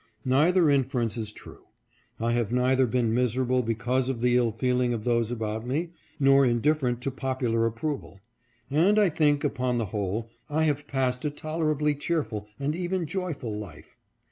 Neither inference is true. I have neither been miserable because of the ill feeling of those about me, nor indiffer ent to popular approval ; and I think, upon the whole, I have passed a tolerably cheerful and even joyful life.